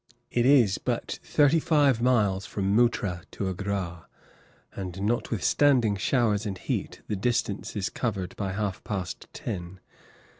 It is but thirty five miles from Muttra to Agra, and notwithstanding showers and heat, the distance is covered by half past ten.